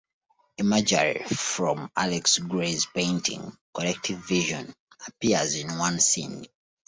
Imagery from Alex Grey's painting "Collective Vision" appears in one scene.